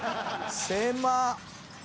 狭っ！